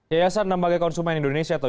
yayasan enam bagai konsumen indonesia atau